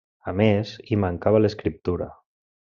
A més, hi mancava l'escriptura.